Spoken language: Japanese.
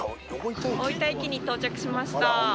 大分駅に到着しました。